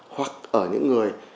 hoặc ở những người